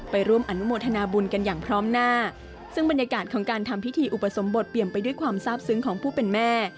ร่วมอนุโมทนาบุญกันอย่างพร้อมหน้าซึ่งบรรยากาศของการทำพิธีอุปสมบทเปลี่ยนไปด้วยความทราบซึ้งของผู้เป็นแม่